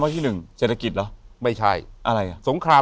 อยู่ที่แม่ศรีวิรัยิลครับ